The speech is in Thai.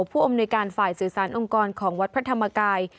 ผู้อำนวยการฝ่ายสื่อสารองค์กรของวัดพระธรรมกาย